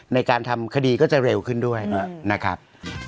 ในการทำคดีก็จะเร็วขึ้นด้วยนะครับ